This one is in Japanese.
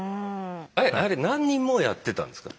あれ何人もやってたんですか？